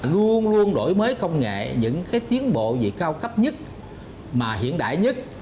luôn luôn đổi mới công nghệ những cái tiến bộ gì cao cấp nhất mà hiện đại nhất